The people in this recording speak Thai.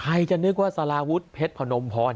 ใครจะนึกว่าสาราวุฒิเพชรพนมพร